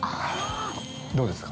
どうですか。